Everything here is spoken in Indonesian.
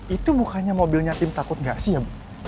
itu bukannya mobilnya tim takut gasi ya bu